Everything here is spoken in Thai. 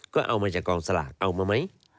ก็เอามาจากกองสลากเอามาไหม